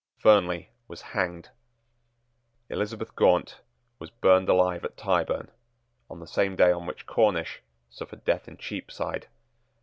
Fernley was hanged. Elizabeth Gaunt was burned alive at Tyburn on the same day on which Cornish suffered death in Cheapside.